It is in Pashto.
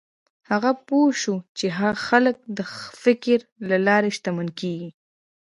هغه پوه شو چې خلک د فکر له لارې شتمن کېږي.